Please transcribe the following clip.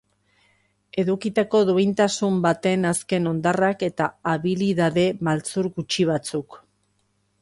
Edukitako duintasun baten azken hondarrak eta abilidade maltzur gutxi batzuk.